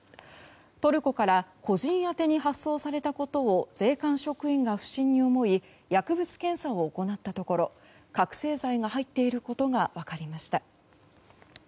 トルコから個人宛てに発送されたことを税関職員が不審に思い薬物検査を行ったところ覚醒剤が入っていることが分かりました。